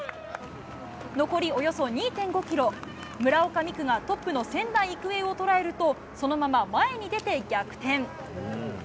残りおよそ２．５キロ、村岡美玖がトップの仙台育英を捉えると、そのまま前に出て逆転。